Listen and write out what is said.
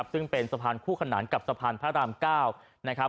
ซึ่งเป็นสะพานคู่ขนานกับสะพานพระราม๙นะครับ